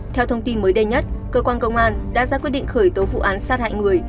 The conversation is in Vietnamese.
theo thông tin mới đây nhất cơ quan công an đã ra quyết định khởi tố vụ án sát hại người